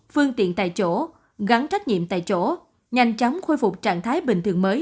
phương tiện tại chỗ gắn trách nhiệm tại chỗ nhanh chóng khôi phục trạng thái bình thường mới